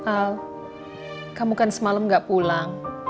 al kamu kan malam beli makan